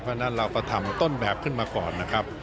เพราะฉะนั้นเราก็ทำต้นแบบขึ้นมาก่อนนะครับ